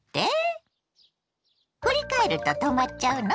振り返ると止まっちゃうの？